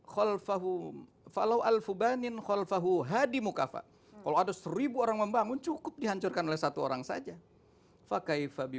kalau ada seribu orang membangun cukup dihancurkan oleh satu orang saja